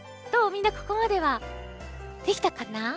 みんなここまではできたかな？